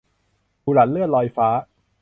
บุหลันเลื่อนลอยฟ้า